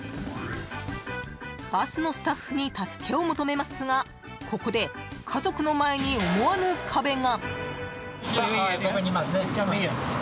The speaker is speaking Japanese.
バスのスタッフに助けを求めますがここで家族の前に思わぬ壁が。